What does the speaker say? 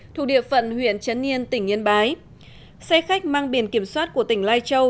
thuộc địa phận huyện trấn yên tỉnh yên bái xe khách mang biển kiểm soát của tỉnh lai châu